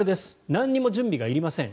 何も準備がいりません。